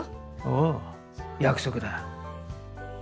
おう約束だ。